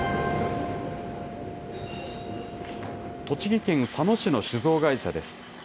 栃木県佐野市の酒造会社です。